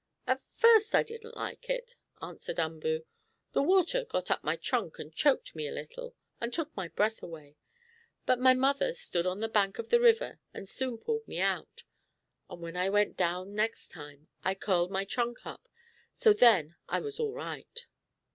"At first I didn't like it," answered Umboo. "The water got up my trunk, and choked me a little, and took my breath away. But my mother stood on the bank of the river and soon pulled me out; and when I went down next time I curled my trunk up, so then I was all right."